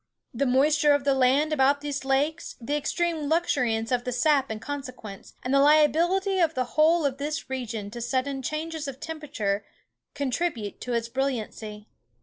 The moisture of the land about these lakes, the extreme luxuriance of the sap in consequence, and the liability of the whole of this region to sudden changes of temperature, contribute to its brilliancy.